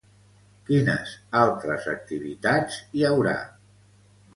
Quines altres activitats hi haurà?